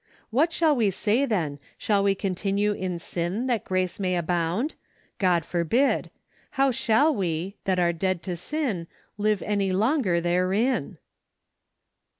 " What shall we say then , Shall we continue in sin , that grace may abound ? God forbid. How shall we , that are dead to sin , live any longer therein